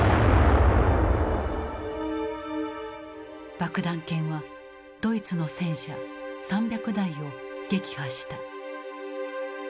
爆弾犬はドイツの戦車３００台を撃破した。